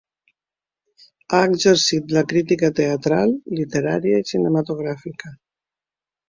Ha exercit la crítica teatral, literària i cinematogràfica.